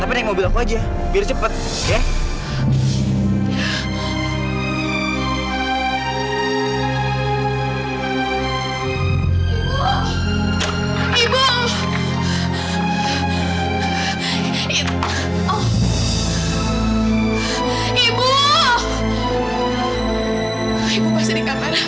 ibu gak boleh pergi dari sini